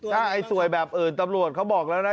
ถ้าไอ้สวยแบบอื่นตำรวจเขาบอกแล้วนะ